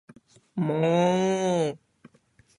もーう